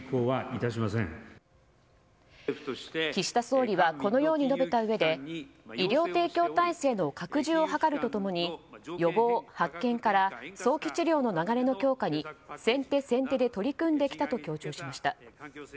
岸田総理はこのように述べたうえで医療提供体制の拡充を図ると共に予防、発見から早期治療の流れの強化に先手先手で取り組んできたと強調しました。